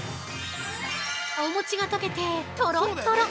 ◆お餅が溶けて、とろっとろ。